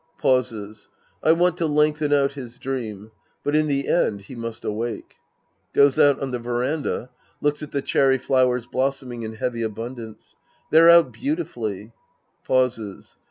(Pauses.) I want to lengthen out his dream. But in the end, he must awake. {Goes out on the veranda. Looks at the cherry fiowers blossoming in heavy abundafice.) They're out beauti fully ! {Pauses.